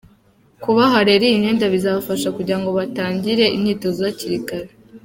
Kubaha rero iyi myenda bizabafasha kugira ngo batangire imyitozo hakiri kare.